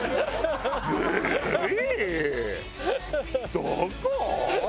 どこ？